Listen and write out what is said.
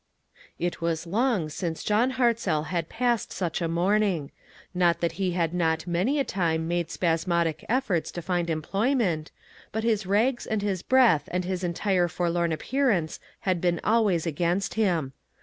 It was long since John Hartzell had passed such a morning. Not that he had not many a time made spasmodic efforts to find employment, but his rags and his breath and his entire forlorn appearance had been always against him.